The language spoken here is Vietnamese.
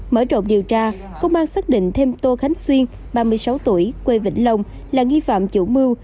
mở rộng điều tra công an xác định thêm tô khánh xuyên ba mươi sáu tuổi quê vĩnh long là nghi phạm chủ mưu